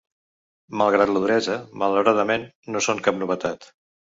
Malgrat la duresa, malauradament, no són cap novetat.